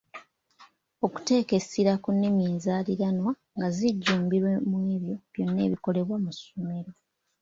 Okuteeka essira ku nnimi enzaaliranwa nga zijjumbirwa mwebyo byonna ebikolebwa mu ssomero.